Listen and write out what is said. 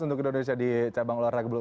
untuk indonesia di cabang luar lagu blu